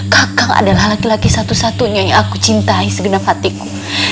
kakang adalah laki laki satu satunya yang aku cintai segenap hatiku